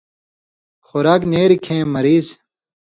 خوراک نېریۡ کھیں مریض